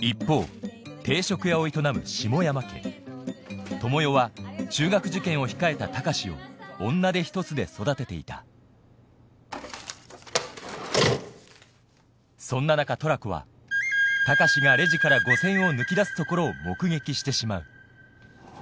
一方定食屋を営む下山家智代は中学受験を控えた高志を女手ひとつで育てていたそんな中トラコは高志がレジから５０００円を抜き出すところを目撃してしまう